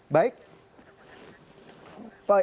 bapak sutar miji